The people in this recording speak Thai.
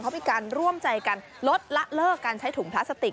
เขามีการร่วมใจกันลดละเลิกการใช้ถุงพลาสติก